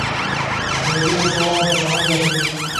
د نجونو ښوونه تفاهم زياتوي.